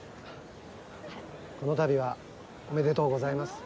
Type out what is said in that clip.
この度はおめでとうございます。